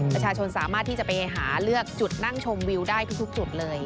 ประชาชนสามารถที่จะไปหาเลือกจุดนั่งชมวิวได้ทุกจุดเลย